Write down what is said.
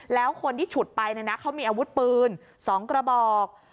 แล้วคนที่ฉุดไปเขามีอาวุธปืน๒กระบอก